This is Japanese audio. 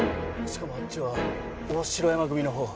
しかもあっちは大城山組のほう。